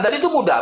dan itu mudah